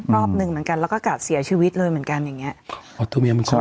รอบหนึ่งเหมือนกันแล้วก็กัดเสียชีวิตเลยเหมือนกันอย่างเงี้ยมันใช่